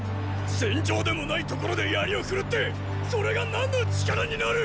戦場でもない所で槍を振るってそれが何の力になる！